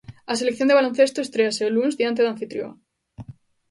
A selección de baloncesto estréase o luns diante da anfitrioa.